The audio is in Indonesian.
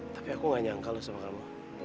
tapi aku gak nyangka loh sama kamu